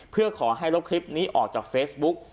เพื่อขอให้ลบคลิปนี้ออกจากเฟซบุ๊ก